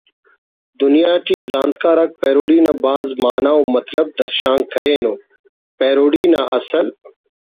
دنیا ٹی زانتکار آک پیروڈی نا بھاز معنہ و مطلب درشان کرینو پیروڈی نا اصل